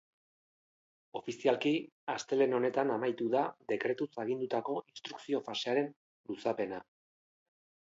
Ofizialki astelehen honetan amaitu da dekretuz agindutako instrukzio fasearen luzapena.